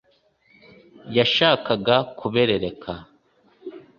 yashakaga, kuberereka